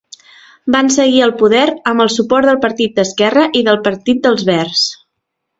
Van seguir al poder amb el suport del Partit d'Esquerra i del Partit dels Verds.